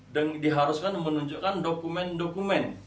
diharuskan menunjukkan dokumen dokumen